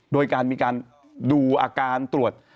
โดยการมีการดูอาการตรวจ